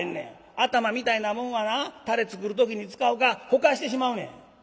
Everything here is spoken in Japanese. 頭みたいなもんはなたれ作る時に使うかほかしてしまうねん」。